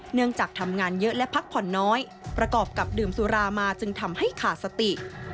เนื่องจากทำงานเยอะและพักผ่อนน้อยประกอบกับดื่มสุรามาจึงทำให้ขาดสติ